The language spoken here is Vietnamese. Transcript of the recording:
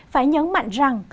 phải nhấn mạnh rằng